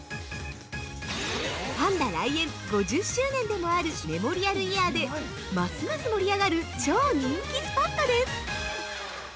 パンダ来園５０周年でもあるメモリアルイヤーで、ますます盛り上がる超人気スポットです。